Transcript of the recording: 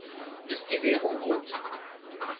Ist die Währung gut?